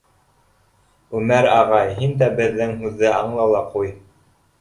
Үмәр ағай, һин дә беҙҙең һүҙҙе аңла ла ҡуй.